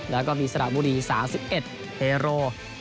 แล้วก็มีสระบุรี๓๑เทโร